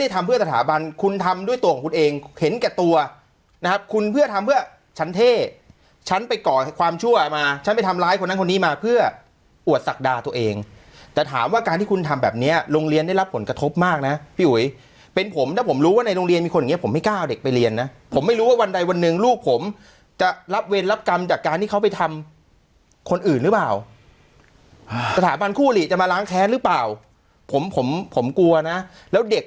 ด้าตัวเองแต่ถามว่าการที่คุณทำแบบเนี้ยโรงเรียนได้รับผลกระทบมากน่ะพี่อุ๋ยเป็นผมถ้าผมรู้ว่าในโรงเรียนมีคนอย่างเงี้ยผมไม่กล้าเอาเด็กไปเรียนน่ะผมไม่รู้ว่าวันใดวันหนึ่งลูกผมจะรับเวรรับกรรมจากการที่เขาไปทำคนอื่นหรือเปล่าสถาบันคู่หลีจะมาล้างแค้นหรือเปล่าผมผมผมกลัวน่ะแล้วเด็ก